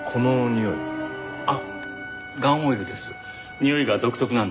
においが独特なんです。